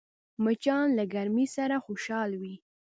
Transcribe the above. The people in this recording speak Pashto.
مچان له ګرمۍ سره خوشحال وي